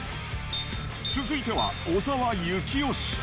続いては、小澤征悦。